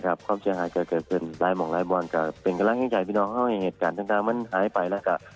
นะครับความเชื่อหาจะเกิดขึ้นหลายมองหลายบอลก็เป็นกำลังแห้งใจพี่น้องเข้าในเหตุการณ์ทั้งมันหายไปแล้วก็